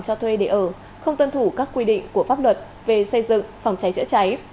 cho thuê để ở không tuân thủ các quy định của pháp luật về xây dựng phòng cháy chữa cháy